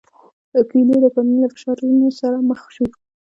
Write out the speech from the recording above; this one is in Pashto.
کویلیو د کورنۍ له فشارونو سره مخ شو.